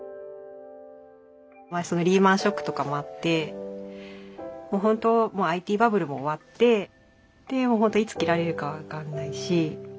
リーマンショックとかもあってもう本当ＩＴバブルも終わってでいつ切られるか分かんないし。